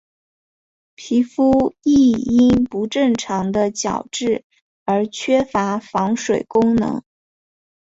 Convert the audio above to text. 皮肤亦因不正常的角质而缺乏防水功能。